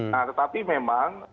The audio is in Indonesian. nah tetapi memang